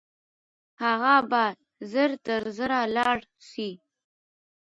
هغه به ژر تر ژره لاړ سي.